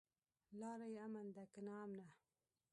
لاره يې امن ده که ناامنه؟